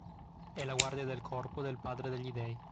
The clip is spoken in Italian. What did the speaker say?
È la guardia del corpo del padre degli dei.